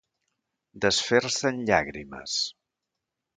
Desfer-se en llàgrimes.